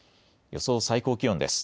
予想最高気温です。